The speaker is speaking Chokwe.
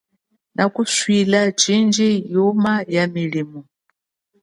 Na kusulwila chindji ola ya milimo.